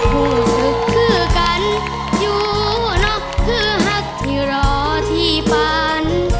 รู้สึกคือกันอยู่นอกคือหักที่รอที่ฝัน